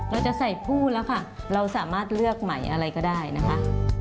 เราจะใส่ผู้แล้วค่ะเราสามารถเลือกใหม่อะไรก็ได้นะคะ